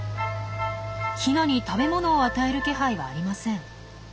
ヒナに食べ物を与える気配はありません。